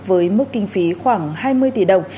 với mức kinh phí khoảng hai mươi tỷ đồng